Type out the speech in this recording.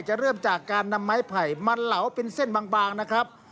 เริ่มจากการนำไม้ไผ่มาเหลาเป็นเส้นบางนะครับ